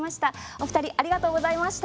お二人ありがとうございました。